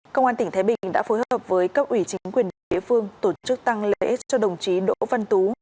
công an tỉnh thái bình đã phối hợp với cấp ủy chính quyền địa phương tổ chức tăng lễ cho đồng chí đỗ văn tú